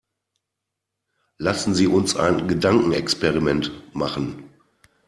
Lassen Sie uns ein Gedankenexperiment machen.